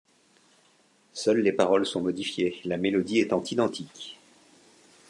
Seules les paroles sont modifiées, la mélodie étant identique.